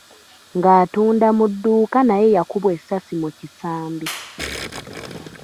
, ng’atunda mu dduuka naye yakubwa essasi mu kisambi .